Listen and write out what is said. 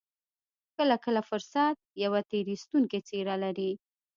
کله کله فرصت يوه تېر ايستونکې څېره لري.